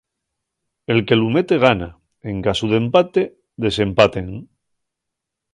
El que lu mete gana, en casu d'empate, desempaten.